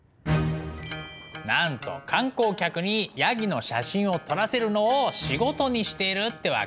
なんと観光客にヤギの写真を撮らせるのを仕事にしているってわけ。